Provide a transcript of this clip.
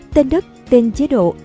tên đất tên chế độ